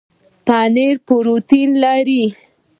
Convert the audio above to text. پنیر پروټین لري